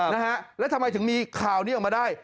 นะฮะแล้วทำไมถึงมีข่าวนี้ออกมาได้